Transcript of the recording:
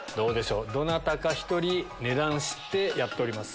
どなたか１人値段知ってやっております。